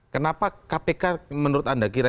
kenapa kpk menurut anda kira